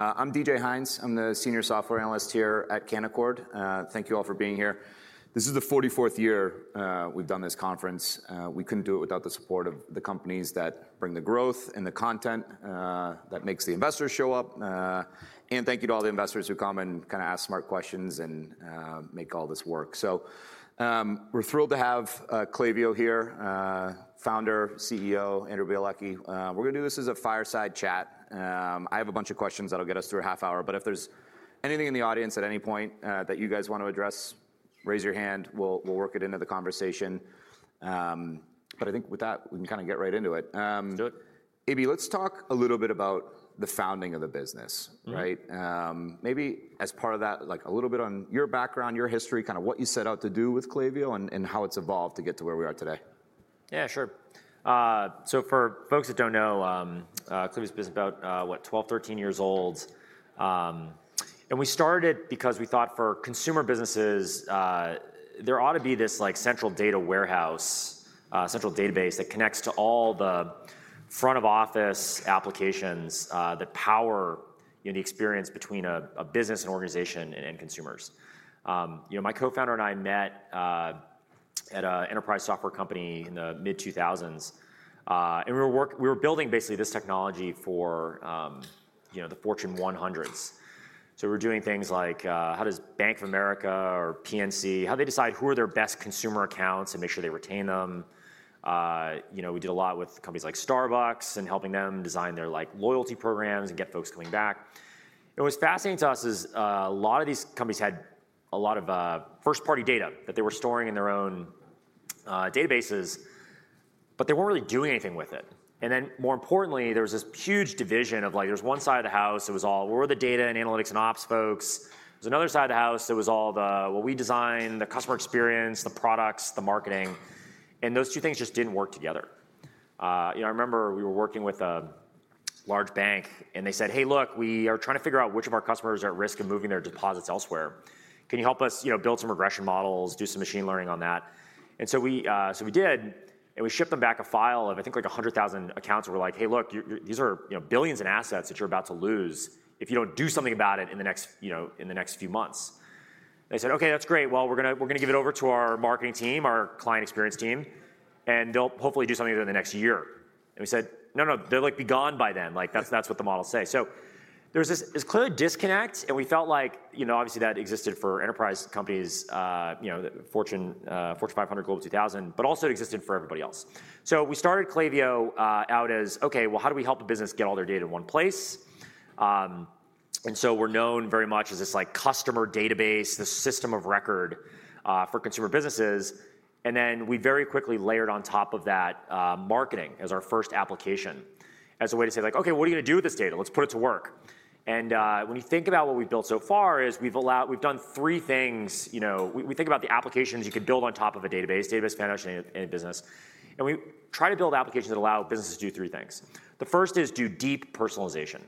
I'm DJ Hynes. I'm the Senior Software Analyst here at Canaccord. Thank you all for being here. This is the 44th year we've done this conference. We couldn't do it without the support of the companies that bring the growth and the content that makes the investors show up. And thank you to all the investors who come and kinda ask smart questions and make all this work. So, we're thrilled to have Klaviyo here, Founder, CEO, Andrew Bialecki. We're gonna do this as a fireside chat. I have a bunch of questions that'll get us through a half hour, but if there's anything in the audience at any point that you guys want to address, raise your hand, we'll work it into the conversation. But I think with that, we can kinda get right into it. Let's do it. A.B., let's talk a little bit about the founding of the business. Mm. Right? Maybe as part of that, like, a little bit on your background, your history, kinda what you set out to do with Klaviyo, and, and how it's evolved to get to where we are today. Yeah, sure. So for folks that don't know, Klaviyo's business is about, what? 12, 13 years old. And we started because we thought for consumer businesses, there ought to be this, like, central data warehouse, central database, that connects to all the front of office applications, that power, you know, the experience between a, a business, an organization, and end consumers. You know, my Co-Founder and I met, at an enterprise software company in the mid-2000s. And we were we were building basically this technology for, you know, the Fortune 100s. So we were doing things like, how does Bank of America or PNC, how they decide who are their best consumer accounts and make sure they retain them? You know, we did a lot with companies like Starbucks, and helping them design their, like, loyalty programs and get folks coming back. And what's fascinating to us is, a lot of these companies had a lot of first-party data that they were storing in their own databases, but they weren't really doing anything with it. And then, more importantly, there was this huge division of, like, there was one side of the house, it was all, "We're the data, and analytics, and ops folks." There was another side of the house that was all the, "Well, we design the customer experience, the products, the marketing," and those two things just didn't work together. You know, I remember we were working with a large bank, and they said, "Hey, look, we are trying to figure out which of our customers are at risk of moving their deposits elsewhere. Can you help us, you know, build some regression models, do some machine learning on that?" And so we, so we did, and we shipped them back a file of, I think, like, 100,000 accounts, and we're like: "Hey, look, you, these are, you know, billions in assets that you're about to lose if you don't do something about it in the next, you know, in the next few months." They said: "Okay, that's great. Well, we're gonna, we're gonna give it over to our marketing team, our client experience team, and they'll hopefully do something with it in the next year." And we said, "No, no, they'll, like, be gone by then. Like, that's what the models say." So there was this clear disconnect, and we felt like, you know, obviously, that existed for enterprise companies, you know, Fortune 500, Global 2000, but also it existed for everybody else. So we started Klaviyo out as, "Okay, well, how do we help a business get all their data in one place?" And so we're known very much as this, like, customer database, the system of record for consumer businesses. And then we very quickly layered on top of that, marketing as our first application, as a way to say, like: "Okay, what are you gonna do with this data? Let's put it to work." And when you think about what we've built so far, we've done three things, you know. We think about the applications you could build on top of a database management in a business, and we try to build applications that allow businesses to do three things. The first is do deep personalization.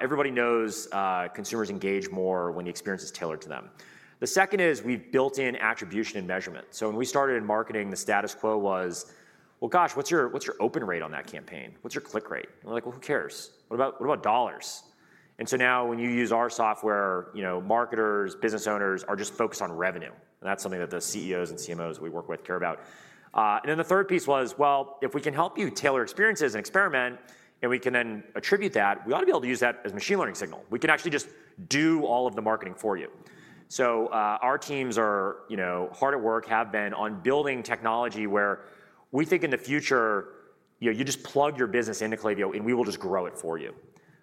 Everybody knows, consumers engage more when the experience is tailored to them. The second is, we've built in attribution and measurement. So when we started in marketing, the status quo was, "Well, gosh, what's your open rate on that campaign? What's your click rate?" We're like, "Well, who cares? What about dollars?" And so now, when you use our software, you know, marketers, business owners, are just focused on revenue, and that's something that the CEOs and CMOs we work with care about. And then the third piece was, well, if we can help you tailor experiences and experiment, and we can then attribute that, we ought to be able to use that as a machine learning signal. We can actually just do all of the marketing for you. So, our teams are, you know, hard at work, have been, on building technology where we think in the future, you know, you just plug your business into Klaviyo, and we will just grow it for you.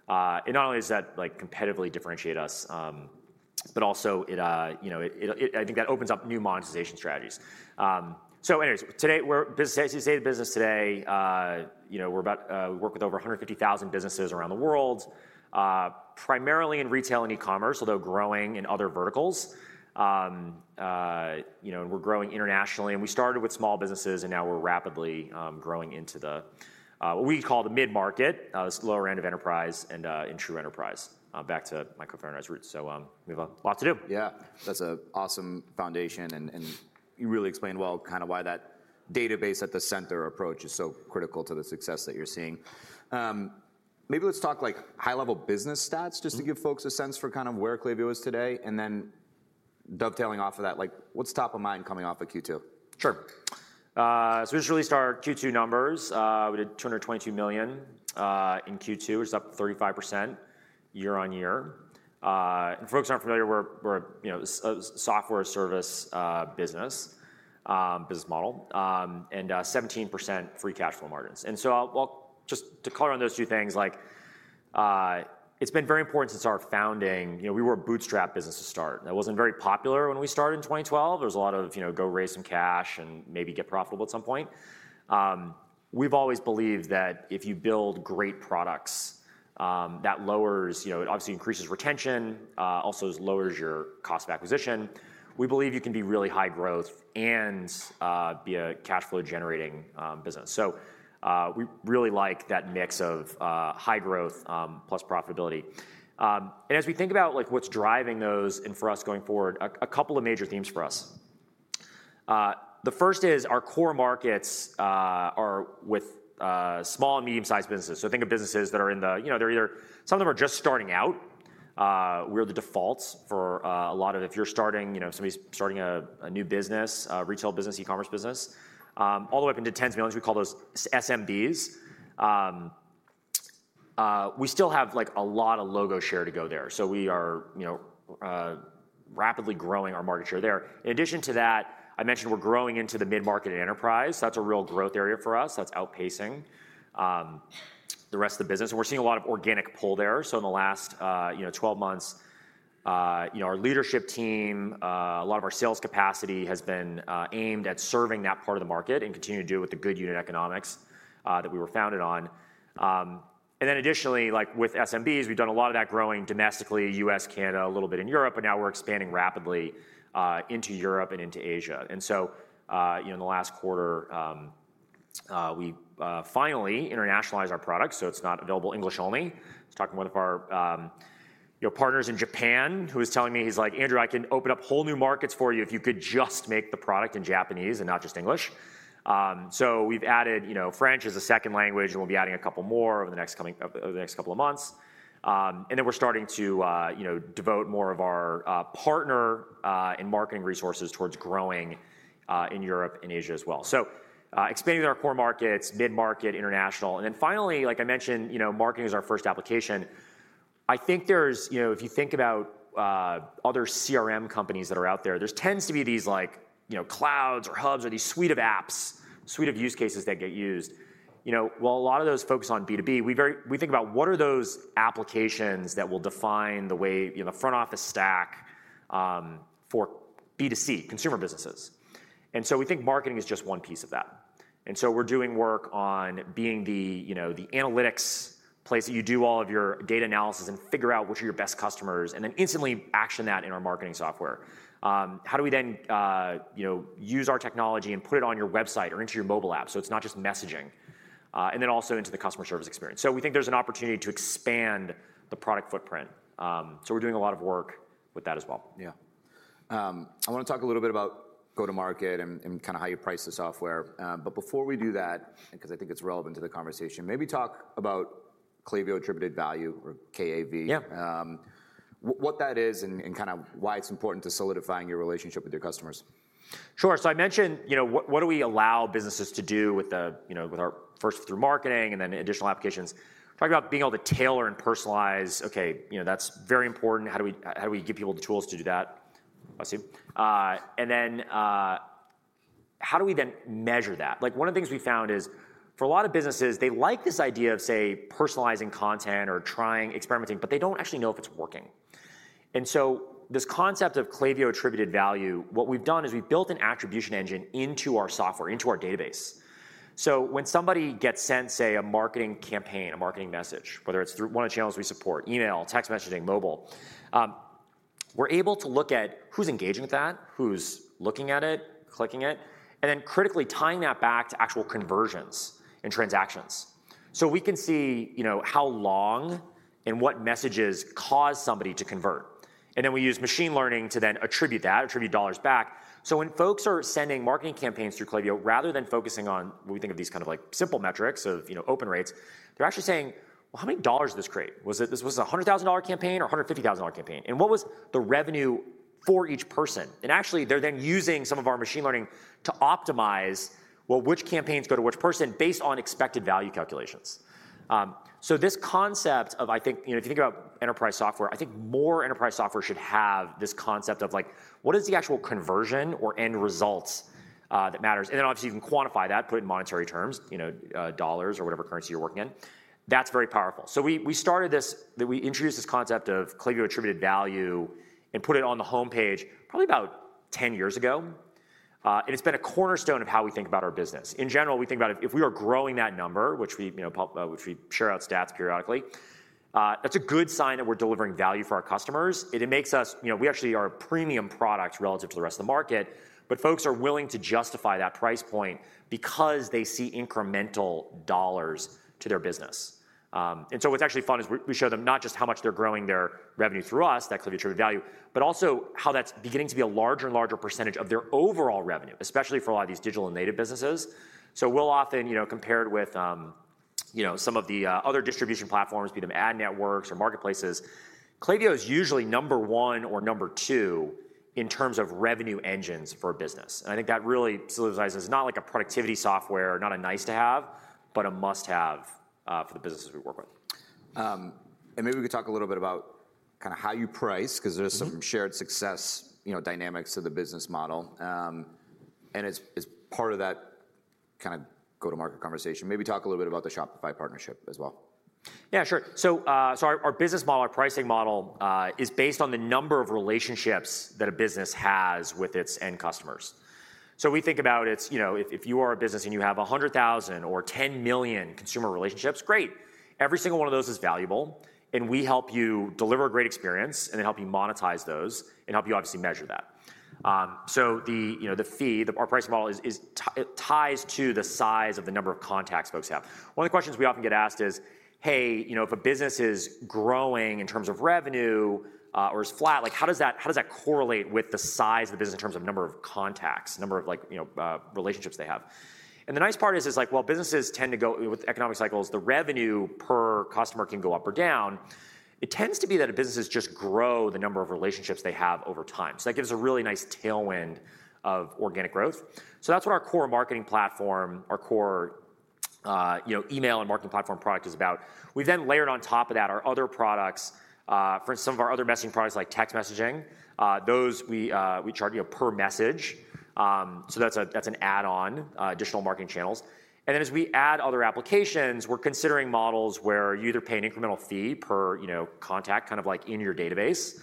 And not only does that, like, competitively differentiate us, but also it, you know, I think that opens up new monetization strategies. So anyways, today we're, as you say, the business today, you know, we're about, we work with over 150,000 businesses around the world, primarily in retail and e-commerce, although growing in other verticals. You know, we're growing internationally, and we started with small businesses, and now we're rapidly growing into the what we call the mid-market, this lower end of enterprise and true enterprise back to my Co-Founder and I's roots. So, we have a lot to do. Yeah, that's an awesome foundation, and you really explained well kind of why that database at the center approach is so critical to the success that you're seeing. Maybe let's talk, like, high-level business stats. Mm. Just to give folks a sense for kind of where Klaviyo is today, and then dovetailing off of that, like, what's top of mind coming off of Q2? Sure. So we just released our Q2 numbers. We did $222 million in Q2, which is up 35% year-over-year. And if folks aren't familiar, we're a software service business model, and 17% free cash flow margins. And so, well, just to color on those two things, like, it's been very important since our founding. You know, we were a bootstrap business to start, and that wasn't very popular when we started in 2012. There was a lot of, you know, "Go raise some cash and maybe get profitable at some point." We've always believed that if you build great products, that lowers, you know, it obviously increases retention, also lowers your cost of acquisition. We believe you can be really high growth and be a cash flow generating business. So, we really like that mix of high growth plus profitability. And as we think about, like, what's driving those and for us going forward, a couple of major themes for us. The first is our core markets are with small and medium-sized businesses. So think of businesses that are in the, you know, they're either some of them are just starting out. We're the defaults for a lot of if you're starting, you know, somebody's starting a new business, a retail business, e-commerce business all the way up into tens of millions, we call those SMBs. We still have, like, a lot of logo share to go there, so we are, you know, rapidly growing our market share there. In addition to that, I mentioned we're growing into the mid-market enterprise. That's a real growth area for us. That's outpacing the rest of the business, and we're seeing a lot of organic pull there. So in the last, you know, 12 months, you know, our leadership team, a lot of our sales capacity has been aimed at serving that part of the market and continuing to do it with the good unit economics that we were founded on. And then additionally, like with SMBs, we've done a lot of that growing domestically, U.S., Canada, a little bit in Europe, but now we're expanding rapidly into Europe and into Asia. And so, you know, in the last quarter, we finally internationalized our product, so it's not available English only. I was talking to one of our, you know, partners in Japan, who was telling me, he's like: "Andrew, I can open up whole new markets for you if you could just make the product in Japanese and not just English." So we've added, you know, French as a second language, and we'll be adding a couple more over the next coming, over the next couple of months. And then we're starting to, you know, devote more of our partner and marketing resources towards growing in Europe and Asia as well. So, expanding our core markets, mid-market, international, and then finally, like I mentioned, you know, marketing is our first application. I think there's, you know, if you think about, other CRM companies that are out there, there tends to be these like, you know, clouds or hubs or these suite of apps, suite of use cases that get used. You know, while a lot of those focus on B2B, we think about what are those applications that will define the way, you know, front office stack, for B2C, consumer businesses. And so we think marketing is just one piece of that, and so we're doing work on being the, you know, the analytics place that you do all of your data analysis and figure out which are your best customers, and then instantly action that in our marketing software. How do we then, you know, use our technology and put it on your website or into your mobile app, so it's not just messaging? And then also into the customer service experience. So we think there's an opportunity to expand the product footprint. So we're doing a lot of work with that as well. Yeah. I wanna talk a little bit about go-to-market and kinda how you price the software. But before we do that, and 'cause I think it's relevant to the conversation, maybe talk about Klaviyo Attributed Value, or KAV. Yeah. What that is and kind of why it's important to solidifying your relationship with your customers? Sure. So I mentioned, you know, what, what do we allow businesses to do with the, you know, with our first through marketing and then additional applications? Talk about being able to tailor and personalize. Okay, you know, that's very important. How do we, how do we give people the tools to do that? I see. And then, how do we then measure that? Like, one of the things we found is, for a lot of businesses, they like this idea of, say, personalizing content or trying experimenting, but they don't actually know if it's working. And so this concept of Klaviyo Attributed Value, what we've done is we've built an attribution engine into our software, into our database. So when somebody gets sent, say, a marketing campaign, a marketing message, whether it's through one of the channels we support, email, text messaging, mobile, we're able to look at who's engaging with that, who's looking at it, clicking it, and then critically tying that back to actual conversions and transactions. So we can see, you know, how long and what messages cause somebody to convert, and then we use machine learning to then attribute that, attribute dollars back. So when folks are sending marketing campaigns through Klaviyo, rather than focusing on what we think of these kind of like simple metrics of, you know, open rates, they're actually saying: "Well, how many dollars did this create? Was it, this was a $100,000 campaign or a $150,000 campaign? And what was the revenue for each person?" Actually, they're then using some of our machine learning to optimize, well, which campaigns go to which person based on expected value calculations. So this concept of, I think, you know, if you think about enterprise software, I think more enterprise software should have this concept of, like, what is the actual conversion or end results that matters? Then obviously, you can quantify that, put it in monetary terms, you know, dollars or whatever currency you're working in. That's very powerful. So we started this, that we introduced this concept of Klaviyo Attributed Value and put it on the homepage probably about 10 years ago. And it's been a cornerstone of how we think about our business. In general, we think about if we are growing that number, which we, you know, which we share out stats periodically, that's a good sign that we're delivering value for our customers, and it makes us, you know, we actually are a premium product relative to the rest of the market, but folks are willing to justify that price point because they see incremental dollars to their business. And so what's actually fun is we show them not just how much they're growing their revenue through us, that Klaviyo Attributed Value, but also how that's beginning to be a larger and larger percentage of their overall revenue, especially for a lot of these digital and native businesses. So we'll often, you know, compare it with, you know, some of the other distribution platforms, be them ad networks or marketplaces. Klaviyo is usually number one or number two in terms of revenue engines for a business, and I think that really solidifies it. It's not like a productivity software, not a nice-to-have, but a must-have, for the businesses we work with. And maybe we could talk a little bit about kinda how you price? Mm-hmm. Beause there's some shared success, you know, dynamics to the business model. And it's part of that kind of go-to-market conversation. Maybe talk a little bit about the Shopify partnership as well. Yeah, sure. So our business model, our pricing model, is based on the number of relationships that a business has with its end customers. So we think about it, you know, if you are a business and you have 100,000 or 10 million consumer relationships, great! Every single one of those is valuable, and we help you deliver a great experience, and then help you monetize those, and help you obviously measure that. So the, you know, the fee, our pricing model is, it ties to the size of the number of contacts folks have. One of the questions we often get asked is: "Hey, you know, if a business is growing in terms of revenue, or is flat, like, how does that, how does that correlate with the size of the business in terms of number of contacts, number of, like, you know, relationships they have?" And the nice part is like, while businesses tend to go with economic cycles, the revenue per customer can go up or down. It tends to be that the businesses just grow the number of relationships they have over time. So that gives a really nice tailwind of organic growth. So that's what our core marketing platform, you know, email and marketing platform product is about. We then layered on top of that our other products, for some of our other messaging products, like text messaging. We charge, you know, per message. So that's an add-on, additional marketing channels. And then as we add other applications, we're considering models where you either pay an incremental fee per, you know, contact, kind of like in your database,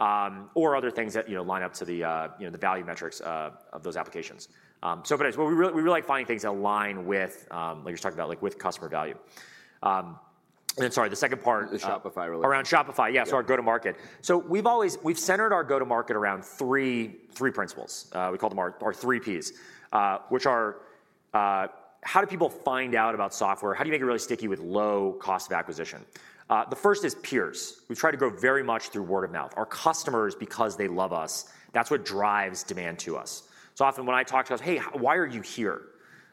or other things that, you know, line up to the, you know, the value metrics of those applications. So but as we really, we really like finding things that align with, like I was talking about, like with customer value. And then, sorry, the second part? The Shopify relationship. Around Shopify, yeah. Yeah. So our go-to-market. So we've always centered our go-to-market around three principles. We call them our three Ps, which are, how do people find out about software? How do you make it really sticky with low cost of acquisition? The first is peers. We've tried to grow very much through word of mouth. Our customers, because they love us, that's what drives demand to us. So often when I talk to them: "Hey, why are you here?"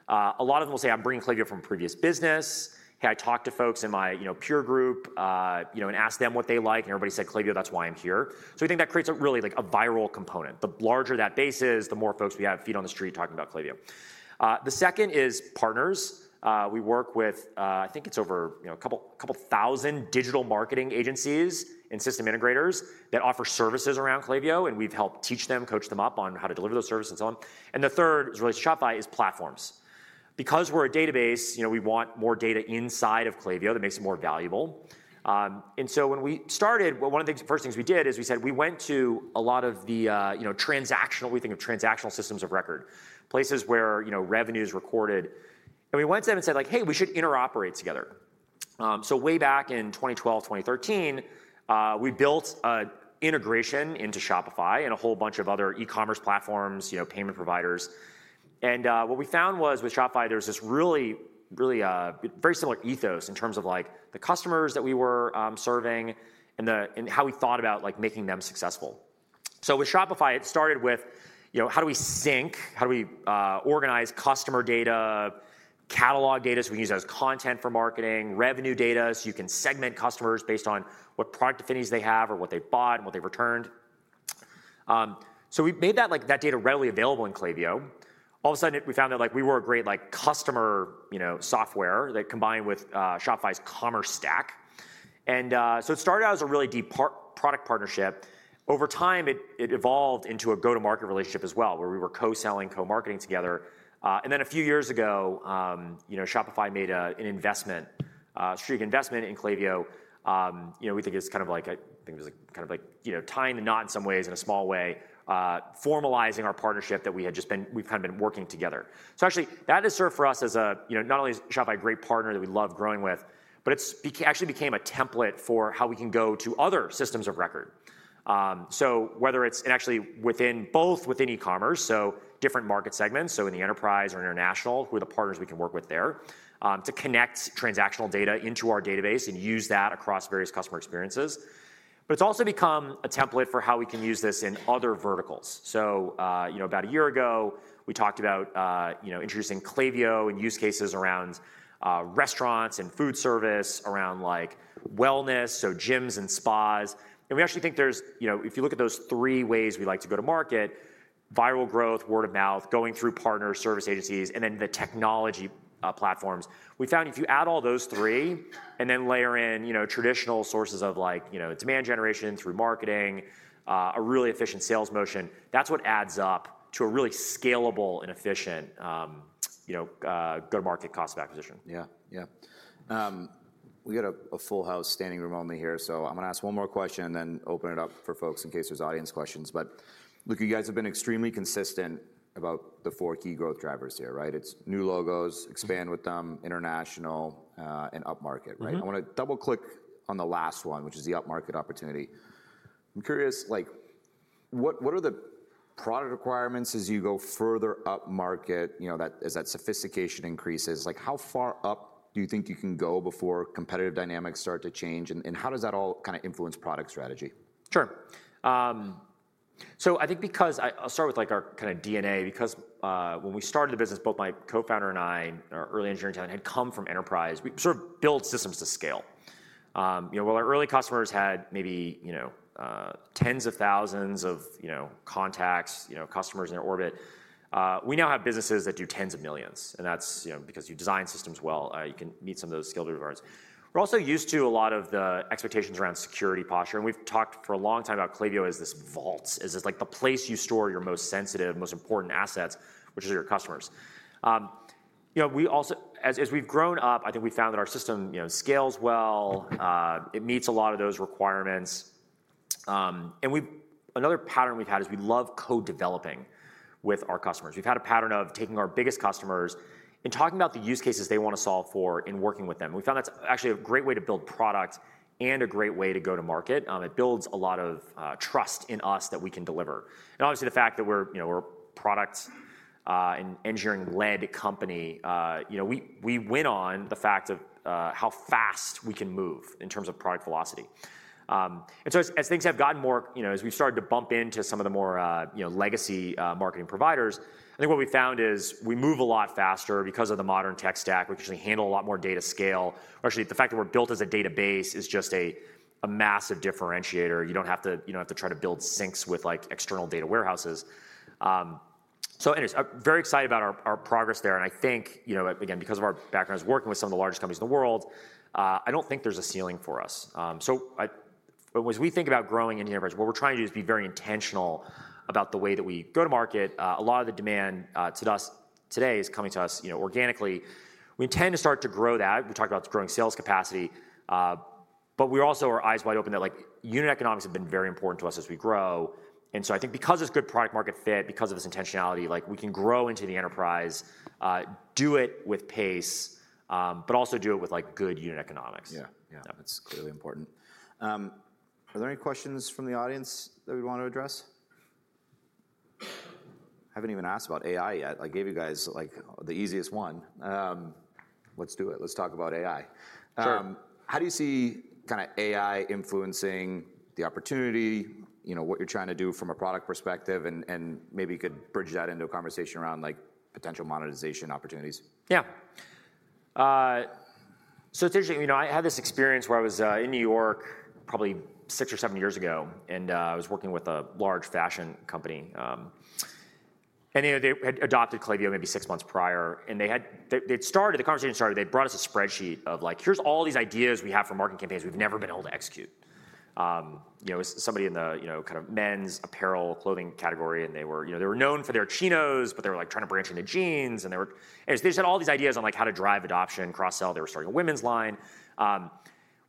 A lot of them will say: "I'm bringing Klaviyo from a previous business." "Hey, I talked to folks in my, you know, peer group, and asked them what they like, and everybody said, 'Klaviyo,' that's why I'm here." So we think that creates a really, like a viral component. The larger that base is, the more folks we have feet on the street talking about Klaviyo. The second is partners. We work with, I think it's over, you know, a couple, couple thousand digital marketing agencies and system integrators that offer services around Klaviyo, and we've helped teach them, coach them up on how to deliver those services and so on. The third is really Shopify, is platforms. Because we're a database, you know, we want more data inside of Klaviyo that makes it more valuable. And so when we started, well, one of the first things we did is we said, we went to a lot of the, you know, transactional, we think of transactional systems of record, places where, you know, revenue is recorded. And we went to them and said, like: "Hey, we should interoperate together." So way back in 2012, 2013, we built an integration into Shopify and a whole bunch of other e-commerce platforms, you know, payment providers. And what we found was with Shopify, there's this really, really very similar ethos in terms of, like, the customers that we were serving and the, and how we thought about, like, making them successful. So with Shopify, it started with, you know, how do we sync? How do we organize customer data, catalog data, so we can use it as content for marketing, revenue data, so you can segment customers based on what product affinities they have or what they've bought and what they've returned? So we made that, like, that data readily available in Klaviyo. All of a sudden, we found out, like, we were a great, like, customer, you know, software that combined with Shopify's commerce stack. And, so it started out as a really deep product partnership. Over time, it, it evolved into a go-to-market relationship as well, where we were co-selling, co-marketing together. And then a few years ago, you know, Shopify made an investment, strategic investment in Klaviyo. You know, we think it's kind of like a, I think it was a, kind of like, you know, tying the knot in some ways, in a small way, formalizing our partnership we've kind of been working together. So actually, that has served for us as a, you know, not only is Shopify a great partner that we love growing with, but it actually became a template for how we can go to other systems of record. So whether it's, and actually within, both within e-commerce, so different market segments, so in the enterprise or international, who are the partners we can work with there? To connect transactional data into our database and use that across various customer experiences. But it's also become a template for how we can use this in other verticals. So, you know, about a year ago, we talked about, you know, introducing Klaviyo and use cases around, restaurants and food service, around, like, wellness, so gyms and spas. And we actually think there's, you know, if you look at those three ways we like to go to market: viral growth, word of mouth, going through partner service agencies, and then the technology platforms. We found if you add all those three and then layer in, you know, traditional sources of like, you know, demand generation through marketing, a really efficient sales motion, that's what adds up to a really scalable and efficient, you know, go-to-market cost of acquisition. Yeah. Yeah. We've got a full house, standing room only here, so I'm gonna ask one more question and then open it up for folks in case there's audience questions. But look, you guys have been extremely consistent about the four key growth drivers here, right? It's new logos, expand with them, international, and upmarket, right? Mm-hmm. I wanna double-click on the last one, which is the upmarket opportunity. I'm curious, like, what, what are the product requirements as you go further upmarket, you know, that, as that sophistication increases? Like, how far up do you think you can go before competitive dynamics start to change, and, and how does that all kind of influence product strategy? Sure. So I think because I'll start with, like, our kind of DNA, because when we started the business, both my Co-Founder and I, our early engineering talent, had come from enterprise. We sort of built systems to scale. You know, while our early customers had maybe, you know, tens of thousands of, you know, contacts, you know, customers in our orbit, we now have businesses that do tens of millions, and that's, you know, because you design systems well, you can meet some of those scale requirements. We're also used to a lot of the expectations around security posture, and we've talked for a long time about Klaviyo as this vault, as this, like, the place you store your most sensitive, most important assets, which is your customers. You know, we also, as we've grown up, I think we found that our system, you know, scales well, it meets a lot of those requirements, and we've, another pattern we've had is we love co-developing with our customers. We've had a pattern of taking our biggest customers and talking about the use cases they want to solve for in working with them. We found that's actually a great way to build product and a great way to go to market. It builds a lot of trust in us that we can deliver. And obviously, the fact that we're, you know, we're a product and engineering-led company, you know, we win on the fact of how fast we can move in terms of product velocity. And so as things have gotten more, you know, as we've started to bump into some of the more, you know, legacy marketing providers, I think what we've found is we move a lot faster because of the modern tech stack. We can actually handle a lot more data scale. Actually, the fact that we're built as a database is just a massive differentiator. You don't have to, you don't have to try to build syncs with, like, external data warehouses. So anyways, very excited about our progress there. And I think, you know, again, because of our backgrounds working with some of the largest companies in the world, I don't think there's a ceiling for us. So as we think about growing into the enterprise, what we're trying to do is be very intentional about the way that we go to market. A lot of the demand to us today is coming to us, you know, organically. We intend to start to grow that. We talked about growing sales capacity, but we also are eyes wide open that, like, unit economics have been very important to us as we grow. And so I think because it's good product market fit, because of this intentionality, like, we can grow into the enterprise, do it with pace, but also do it with, like, good unit economics. Yeah, yeah. Yeah. That's clearly important. Are there any questions from the audience that we'd want to address? I haven't even asked about AI yet. I gave you guys, like, the easiest one. Let's do it. Let's talk about AI. Sure. How do you see kinda AI influencing the opportunity, you know, what you're trying to do from a product perspective? And, and maybe you could bridge that into a conversation around, like, potential monetization opportunities. Yeah. So it's interesting, you know, I had this experience where I was in New York probably six or seven years ago, and I was working with a large fashion company. And, you know, they had adopted Klaviyo maybe six months prior, and they had, they'd started, the conversation started, they'd brought us a spreadsheet of like: "Here's all these ideas we have for marketing campaigns we've never been able to execute." You know, it was somebody in the, you know, kind of men's apparel, clothing category, and they were, you know, they were known for their chinos, but they were, like, trying to branch into jeans, and they were. Anyways, they just had all these ideas on, like, how to drive adoption, cross-sell. They were starting a women's line.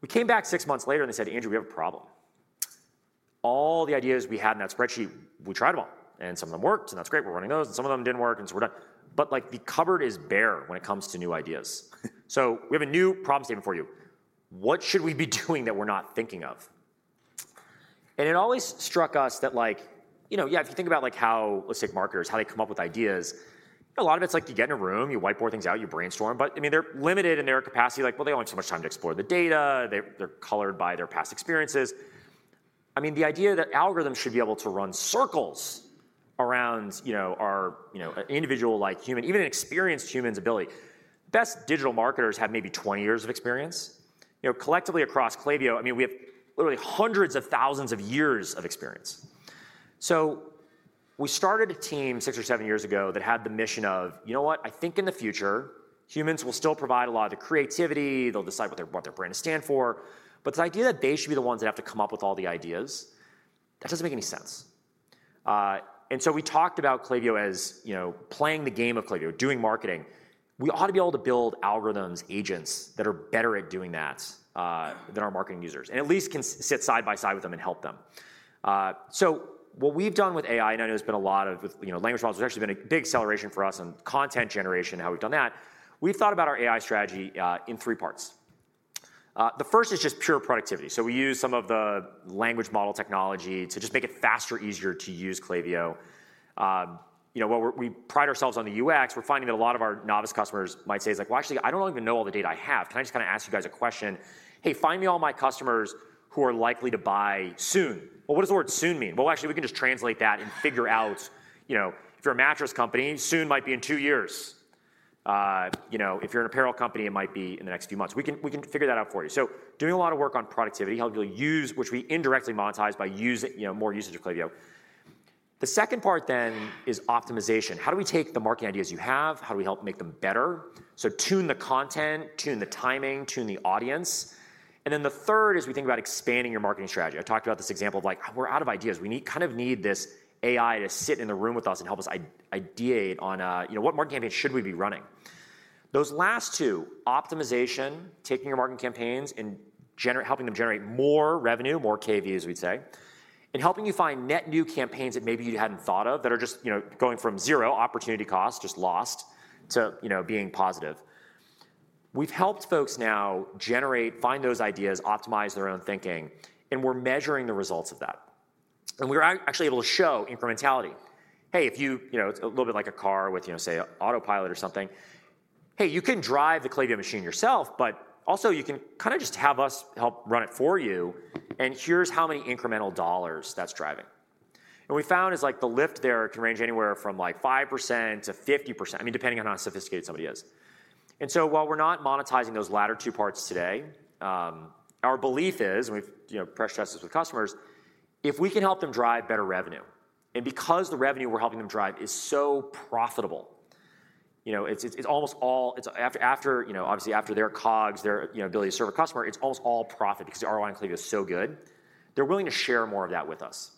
We came back six months later, and they said, "Andrew, we have a problem. All the ideas we had in that spreadsheet, we tried them all, and some of them worked, and that's great, we're running those, and some of them didn't work, and so we're done. But, like, the cupboard is bare when it comes to new ideas." "So we have a new problem statement for you. What should we be doing that we're not thinking of?" And it always struck us that, like, you know, yeah, if you think about, like, how, let's take marketers, how they come up with ideas, a lot of it's like, you get in a room, you whiteboard things out, you brainstorm. But I mean, they're limited in their capacity. Like, well, they only have so much time to explore the data. They're colored by their past experiences. I mean, the idea that algorithms should be able to run circles around, you know, our, you know, individual, like, human, even an experienced human's ability. Best digital marketers have maybe 20 years of experience. You know, collectively, across Klaviyo, I mean, we have literally hundreds of thousands of years of experience. So we started a team six or seven years ago that had the mission of, you know what? I think in the future, humans will still provide a lot of the creativity. They'll decide what their, what their brand stand for. But the idea that they should be the ones that have to come up with all the ideas, that doesn't make any sense. And so we talked about Klaviyo as, you know, playing the game of Klaviyo, doing marketing. We ought to be able to build algorithms, agents, that are better at doing that than our marketing users, and at least can sit side by side with them and help them. So what we've done with AI, I know there's been a lot of, with, you know, language models, there's actually been a big acceleration for us in content generation, how we've done that. We've thought about our AI strategy in three parts. The first is just pure productivity. So we use some of the language model technology to just make it faster, easier to use Klaviyo. You know, what we pride ourselves on the UX. We're finding that a lot of our novice customers might say, is like: "Well, actually, I don't even know all the data I have. Can I just kinda ask you guys a question? Hey, find me all my customers who are likely to buy soon." Well, what does the word soon mean? Well, actually, we can just translate that and figure out, you know, if you're a mattress company, soon might be in two years. You know, if you're an apparel company, it might be in the next few months. We can, we can figure that out for you. So doing a lot of work on productivity, help you use, which we indirectly monetize by using, you know, more usage of Klaviyo. The second part then is optimization. How do we take the marketing ideas you have? How do we help make them better? So tune the content, tune the timing, tune the audience. And then the third is we think about expanding your marketing strategy. I talked about this example of, like, we're out of ideas. We need, kind of need this AI to sit in the room with us and help us ideate on, you know, what marketing campaigns should we be running? Those last two, optimization, taking your marketing campaigns and generate helping them generate more revenue, more KAVs, we'd say, and helping you find net new campaigns that maybe you hadn't thought of, that are just, you know, going from zero opportunity cost, just lost, to, you know, being positive. We've helped folks now generate, find those ideas, optimize their own thinking, and we're measuring the results of that. And we are actually able to show incrementality. Hey, if you, you know, it's a little bit like a car with, you know, say, autopilot or something. Hey, you can drive the Klaviyo machine yourself, but also you can kinda just have us help run it for you, and here's how many incremental dollars that's driving. And we found is, like, the lift there can range anywhere from, like, 5%-50%, I mean, depending on how sophisticated somebody is. And so while we're not monetizing those latter two parts today, our belief is, and we've, you know, pressure tested this with customers, if we can help them drive better revenue, and because the revenue we're helping them drive is so profitable, you know, it's, it's, it's almost all- it's after, after, you know, obviously after their COGS, their, you know, ability to serve a customer, it's almost all profit because the ROI on Klaviyo is so good. They're willing to share more of that with us.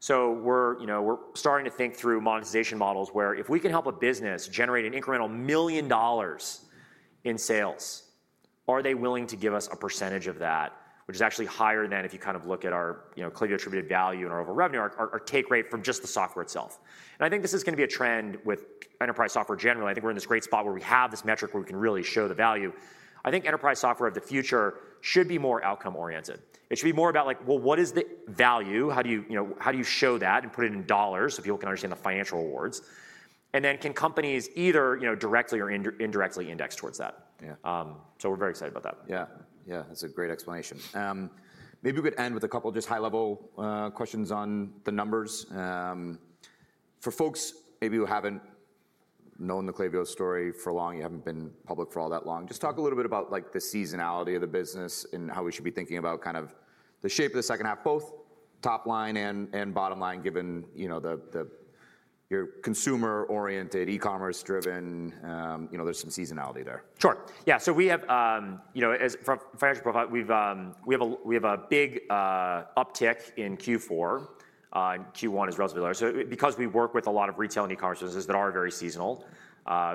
So we're, you know, we're starting to think through monetization models where if we can help a business generate an incremental $1 million in sales, are they willing to give us a percentage of that? Which is actually higher than if you kind of look at our, you know, Klaviyo Attributed Value and our overall revenue, our take rate from just the software itself. And I think this is gonna be a trend with enterprise software generally. I think we're in this great spot where we have this metric where we can really show the value. I think enterprise software of the future should be more outcome-oriented. It should be more about like, well, what is the value? How do you, you know, how do you show that and put it in dollars so people can understand the financial rewards? Can companies either, you know, directly or indirectly index towards that? Yeah. So we're very excited about that. Yeah. Yeah, that's a great explanation. Maybe we could end with a couple of just high-level questions on the numbers. For folks maybe who haven't known the Klaviyo story for long. You haven't been public for all that long. Just talk a little bit about, like, the seasonality of the business and how we should be thinking about kind of the shape of the second half, both top line and bottom line, given, you know, you're consumer-oriented, e-commerce driven, you know, there's some seasonality there. Sure. Yeah, so we have, you know, as from a financial profile, we've, we have a big uptick in Q4. Q1 is relatively lower. So because we work with a lot of retail and e-commerce businesses that are very seasonal,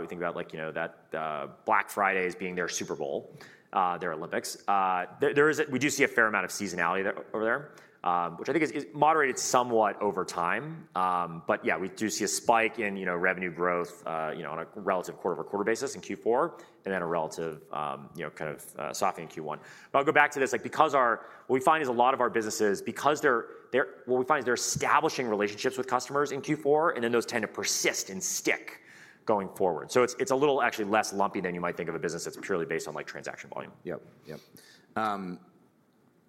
we think about, like, you know, that Black Friday as being their Super Bowl, their Olympics. We do see a fair amount of seasonality there, over there, which I think is moderated somewhat over time. But yeah, we do see a spike in, you know, revenue growth, you know, on a relative quarter-over-quarter basis in Q4, and then a relative, you know, kind of softening in Q1. But I'll go back to this, like, because our. What we find is a lot of our businesses, because they're establishing relationships with customers in Q4, and then those tend to persist and stick going forward. So it's a little actually less lumpy than you might think of a business that's purely based on, like, transaction volume. Yep, yep.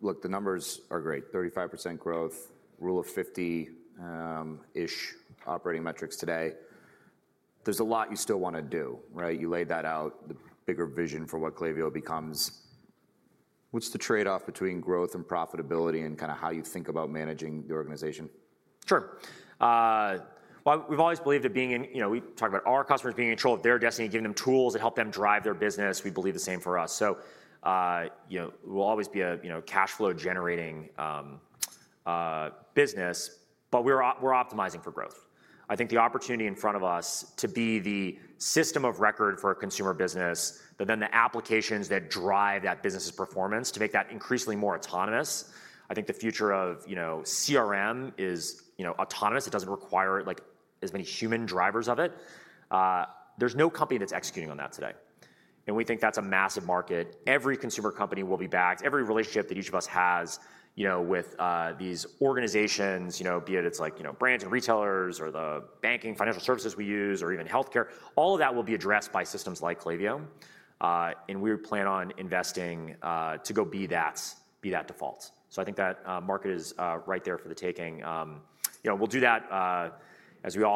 Look, the numbers are great, 35% growth, Rule of 50-ish operating metrics today. There's a lot you still wanna do, right? You laid that out, the bigger vision for what Klaviyo becomes. What's the trade-off between growth and profitability, and kinda how you think about managing the organization? Sure. Well, we've always believed that being in, you know, we talk about our customers being in control of their destiny, giving them tools that help them drive their business. We believe the same for us. So, you know, we'll always be a, you know, cash flow generating business, but we're optimizing for growth. I think the opportunity in front of us to be the system of record for a consumer business, but then the applications that drive that business's performance to make that increasingly more autonomous, I think the future of, you know, CRM is, you know, autonomous. It doesn't require, like, as many human drivers of it. There's no company that's executing on that today, and we think that's a massive market. Every consumer company will be backed. Every relationship that each of us has, you know, with, these organizations, you know, be it, it's like, you know, brands and retailers or the banking, financial services we use, or even healthcare, all of that will be addressed by systems like Klaviyo. And we plan on investing, to go be that, be that default. So I think that, market is, right there for the taking. You know, we'll do that, as we always.